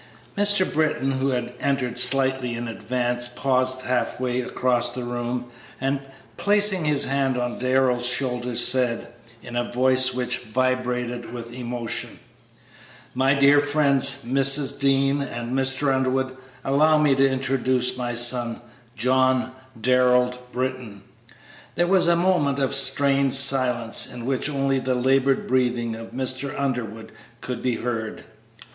Mr. Britton, who had entered slightly in advance, paused half way across the room, and, placing his hand on Darrell's shoulder, said, in a voice which vibrated with emotion, "My dear friends, Mrs. Dean and Mr. Underwood, allow me to introduce my son, John Darrell Britton!" There, was a moment of strained silence in which only the labored breathing of Mr. Underwood could be heard.